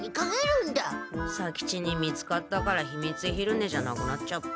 左吉に見つかったから秘密昼寝じゃなくなっちゃった。